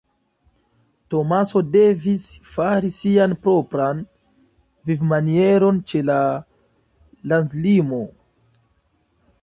Tomaso devis fari sian propran vivmanieron ĉe la landlimo.